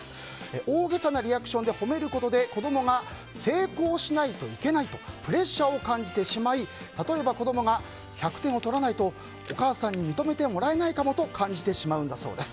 大げさなリアクションで褒めることで子供が成功しないといけないとプレッシャーを感じてしまい例えば子供が１００点をとらないとお母さんに認めてもらえないかもと感じてしまうそうです。